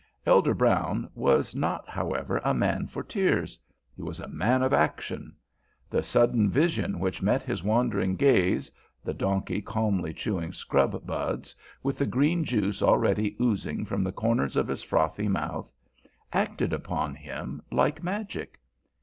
Elder Brown was not, however, a man for tears. He was a man of action. The sudden vision which met his wandering gaze, the donkey calmly chewing scrub buds, with the green juice already oozing from the corners of his frothy mouth, acted upon him like magic.